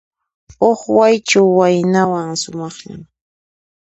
Huk Waychu waynawan, sumaqllan.